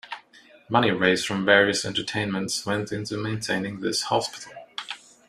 Money raised from various entertainments went into maintaining this hospital.